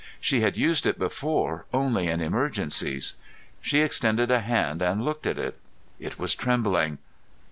She had used it before only in emergency. She extended a hand and looked at it. It was trembling.